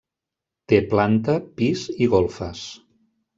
Té planta, pis i golfes.